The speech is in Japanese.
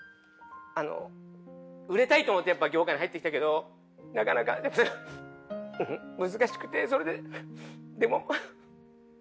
売れたいと思ってやっぱ業界に入ってきたけどなかなか難しくてそれででも。